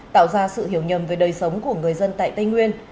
tạo ra sự hiểu nhầm về đời sống của người dân tại tây nguyên